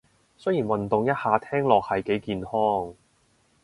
雖然運動一下聽落係幾健康